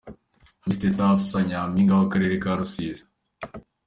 Miss Teta Afsa nyampinga w'akarere ka Rusizi.